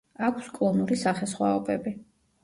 აქვს კლონური სახესხვაობები.